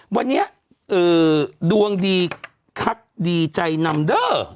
วันนี้ดวงดีคักดีใจนำเด้อ